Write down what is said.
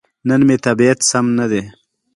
نن مې طبيعت سم ندی.